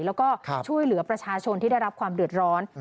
แล้วก็ช่วยเหลือประชาชนที่ได้รับความเดือดร้อน